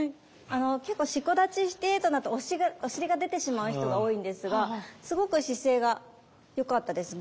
結構四股立ちしてとなってお尻が出てしまう人が多いんですがすごく姿勢が良かったです。